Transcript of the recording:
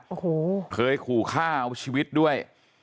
โอ้โหเคยขู่ฆ่าเอาชีวิตด้วย